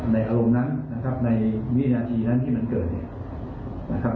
อารมณ์นั้นนะครับในวินาทีนั้นที่มันเกิดเหตุนะครับ